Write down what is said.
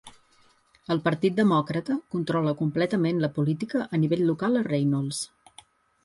El Partit Demòcrata controla completament la política a nivell local a Reynolds.